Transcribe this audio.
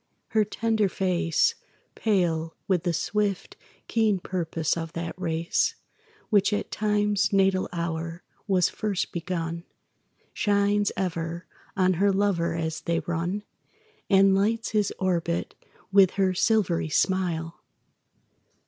Her tender face, Pale with the swift, keen purpose of that race Which at Time's natal hour was first begun, Shines ever on her lover as they run And lights his orbit with her silvery smile.